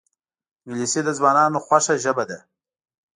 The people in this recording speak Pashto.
انګلیسي د ځوانانو خوښه ژبه ده